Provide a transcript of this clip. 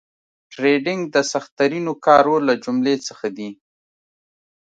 ټریډینګ د سخترینو کارو له جملې څخه دي